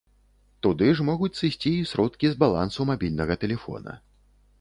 Туды ж могуць сысці і сродкі з балансу мабільнага тэлефона.